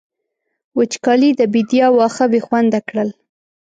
وچکالۍ د بېديا واښه بې خونده کړل.